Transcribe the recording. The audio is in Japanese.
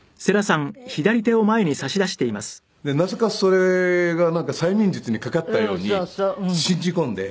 でなぜかそれがなんか催眠術にかかったように信じ込んで。